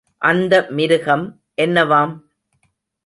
அந்த மிருகம் என்னவாம்?